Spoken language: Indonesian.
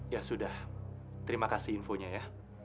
ya sudah terima kasih infonya ya